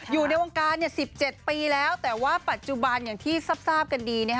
อยู่ในวงการสิบเจ็ดปีแล้วแต่ว่าปัจจุบันอย่างที่ทรัพย์ทราบกันดีนะฮะ